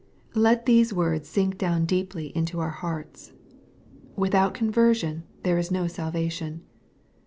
'' Let these words sink down deeply into our hearts. Without conversion there is no salvation.